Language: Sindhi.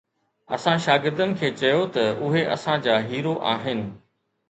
اسان شاگردن کي چيو ته اهي اسان جا هيرو آهن.